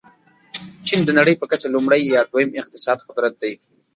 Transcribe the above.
چین د نړۍ په کچه لومړی یا دوم اقتصادي قدرت دی.